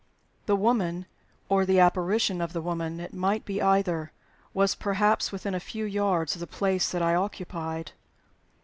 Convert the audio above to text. The woman, or the apparition of the woman it might be either was perhaps within a few yards of the place that I occupied.